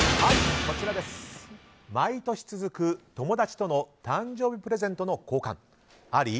毎年続く友達との誕生日プレゼントの交換あり？